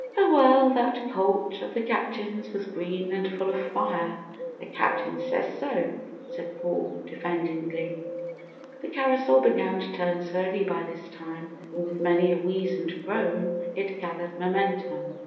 "Oh, well, that colt of the Captain's was green and full of fire the Captain says so!" said Paul, defendingly. The carousel began to turn slowly by this time and with many a wheeze and groan, it gathered momentum.